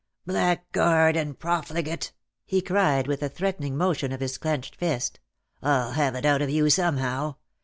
"Blackguard and profligate!" he cried, with a threatening motion of his clenched fist. " I'll have it out of you somehow.